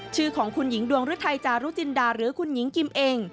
ชื่อของคุณหญิงดวงฤทัยจารุจินดาหรือคุณหญิงกิมเอง